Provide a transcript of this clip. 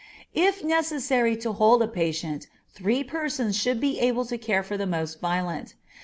If necessary to hold a patient, three persons should be able to care for the most violent.